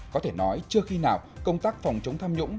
có thể nói chưa khi nào công tác phòng chống tham nhũng